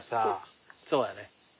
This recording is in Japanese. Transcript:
そうだね。